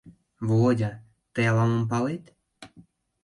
Володя, тый ала-мом палет?